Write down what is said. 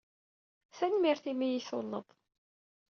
Tanemmirt imi ay iyi-tulled.